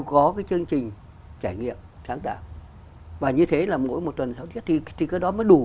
có cái chương trình trải nghiệm sáng tạo và như thế là mỗi một tuần giáo thiết thì cái đó mới đủ